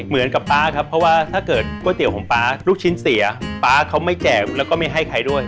ป๊าครับเพราะว่าถ้าเกิดก๋วยเตี๋ยวของป๊าลูกชิ้นเสียป๊าเขาไม่แจกแล้วก็ไม่ให้ใครด้วย